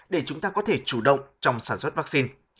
để chúng ta có thể chủ động trong sản xuất vaccine